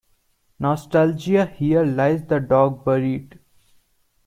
Nostalgia Here lies the dog buried.